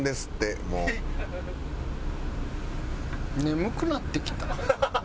眠くなってきた。